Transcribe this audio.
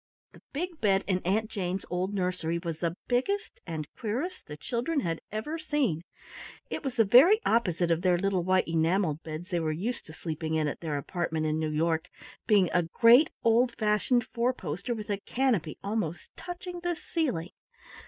The big bed in Aunt Jane's old nursery was the biggest and queerest the children had ever seen. It was the very opposite of the little white enameled beds they were used to sleeping in at their apartment in New York, being a great old fashioned four poster with a canopy almost touching the ceiling.